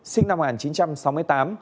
sinh năm một nghìn chín trăm sáu mươi tám